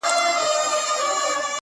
د وصل کېف ومه د وخت د خوده وتې لمحه